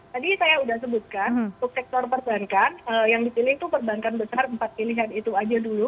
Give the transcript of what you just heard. tadi saya sudah sebutkan untuk sektor perbankan yang dipilih itu perbankan besar empat pilihan itu aja dulu